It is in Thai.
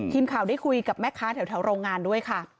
ทีมข่าวได้คุยกับแม่ค้าแถวโรงงานด้วยค่ะ